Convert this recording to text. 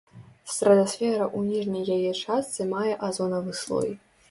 Стратасфера ў ніжняй яе частцы мае азонавы слой.